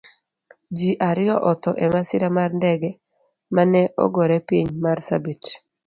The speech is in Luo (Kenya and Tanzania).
Ji ariyo otho emasira mar ndege mane ogore piny marsabit